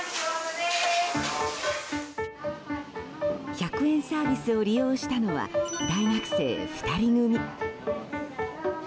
１００円サービスを利用したのは大学生２人組。